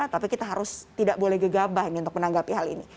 tapi kita harus tidak boleh gegabah ini untuk menanggapi hal ini